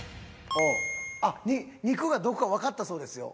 肉がどこかわかったそうですよ。